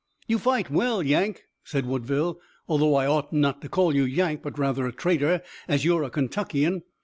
"You fight well, Yank," said Woodville, "although I ought not to call you Yank, but rather a traitor, as you're a Kentuckian.